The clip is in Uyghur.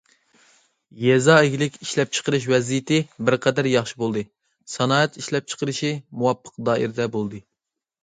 يېزا ئىگىلىك ئىشلەپچىقىرىش ۋەزىيىتى بىر قەدەر ياخشى بولدى، سانائەت ئىشلەپچىقىرىشى مۇۋاپىق دائىرىدە بولدى.